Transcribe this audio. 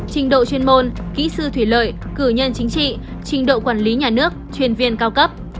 trình độ chuyên môn kỹ sư thủy lợi cử nhân chính trị trình độ quản lý nhà nước chuyên viên cao cấp